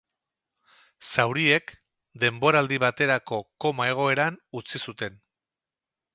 Zauriek denboraldi baterako koma egoeran utzi zuten.